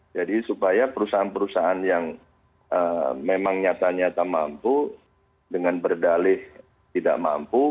jadi supaya perusahaan perusahaan yang memang nyata nyata mampu dengan berdalih tidak mampu